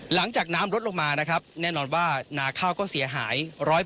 หลังจากน้ำลดลงมานะครับแน่นอนว่านาข้าวก็เสียหาย๑๐๐